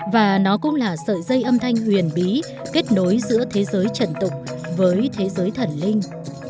và nó cũng là sợi dây âm thanh huyền bí kết nối giữa thế giới trần tục với thế giới thần linh